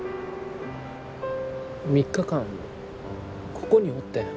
３日間ここにおってん。